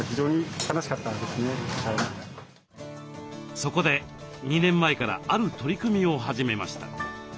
そこで２年前からある取り組みを始めました。